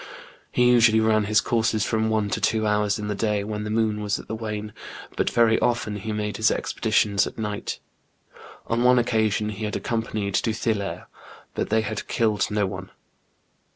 He usually ran his courses from one to two hours in the day, when the moon was at the wane, hut very often he made his expeditions at night. On one occasion he had accompanied Duthillaire, but they had killed no one.